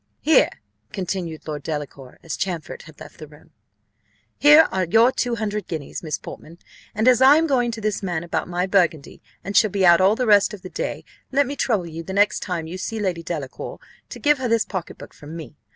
"Here," continued Lord Delacour, as Champfort had left the room, "here are your two hundred guineas, Miss Portman; and as I am going to this man about my burgundy, and shall be out all the rest of the day, let me trouble you the next time you see Lady Delacour to give her this pocket book from me.